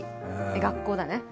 学校だね。